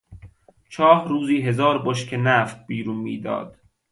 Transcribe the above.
چاه روزی هزار بشکه نفت بیرون میداد.